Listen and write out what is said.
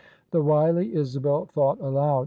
The wily Isabel thought aloud.